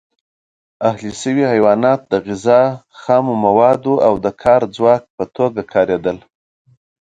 اهلي شوي حیوانات د غذا، خامو موادو او د کار ځواک په توګه کارېدل.